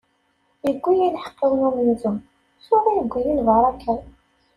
iwwi-yi lḥeqq-iw n umenzu, tura yewwi-yi lbaṛaka-w.